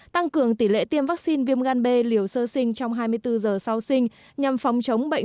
tăng cường tỷ lệ tiêm vaccine viêm gan b liều sơ sinh trong hai mươi bốn giờ sau sinh nhằm phòng chống bệnh